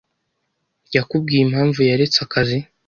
yakubwiye impamvu yaretse akazi?